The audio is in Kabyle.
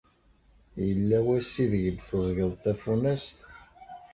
Yella wass ideg d-teẓẓgeḍ tafunast?